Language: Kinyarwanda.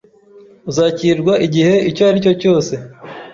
Uzakirwa igihe icyo aricyo cyose.